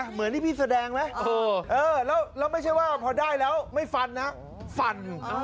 เหมือนที่พี่แสดงไหมแล้วไม่ใช่ว่าพอได้แล้วไม่ฟันนะฟัน